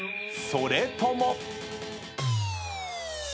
それとも。